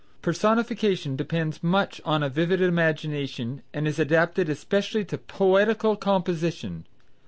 Personification depends much on a vivid imagination and is adapted especially to poetical composition.